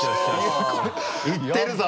いってるぞ！